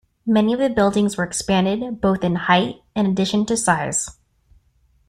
Many of the buildings were expanded, both in height, in addition to size.